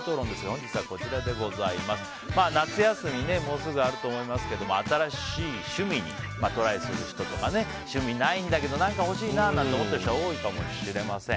本日は夏休みがもうすぐあると思いますが新しい趣味にトライする人とか趣味ないんだけど何かほしいなっていう人も多いかもしれません。